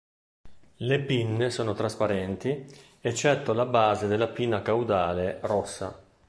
Le pinne sono trasparenti eccetto la base della pinna caudale, rossa.